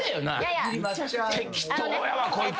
適当やわこいつ。